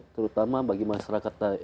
terutama bagi masyarakat